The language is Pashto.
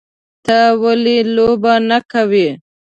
_ته ولې لوبه نه کوې؟